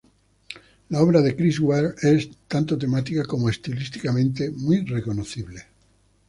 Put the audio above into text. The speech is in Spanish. La obra de Chris Ware es, tanto temática como estilísticamente, muy reconocible.